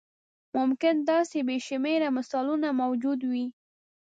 ممکن داسې بې شمېره مثالونه موجود وي.